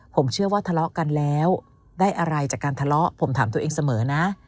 ผมเชื่อว่าทะเลาะกันแล้วได้อะไรจากการทะเลาะผมถามตัวเองเสมอนะ